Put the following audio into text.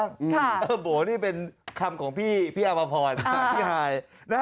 ค่ะโบ๋นี่เป็นคำของพี่พี่อัตบะพรพี่ไหาย